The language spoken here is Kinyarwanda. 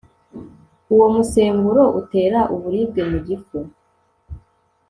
Uwo musemburo utera uburibwe mu gifu